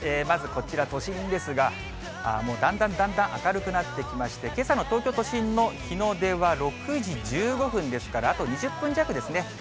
まずこちら、都心ですが、もうだんだんだんだん明るくなってきまして、けさの東京都心の日の出は６時１５分ですから、あと２０分弱ですね。